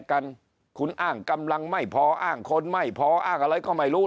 กันคุณอ้างกำลังไม่พออ้างคนไม่พออ้างอะไรก็ไม่รู้